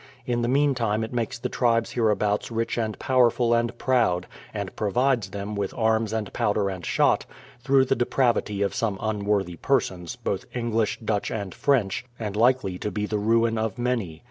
In the meantime it makes the tribes hereabouts rich and powerful and proud, and pro vides them with arms and powder and shot, through the depravity of some unworthy persons, both English, Dutch, and French, and likely to be the ruin of many.